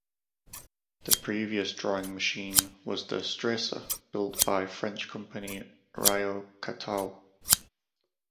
The previous drawing machine was the "Stresa" built by French company Ryo-Catteau.